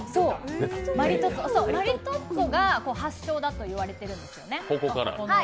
マリトッツォが発祥だといわれているんです。